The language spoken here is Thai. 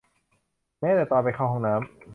แม้แต่ตอนไปเข้าห้องน้ำ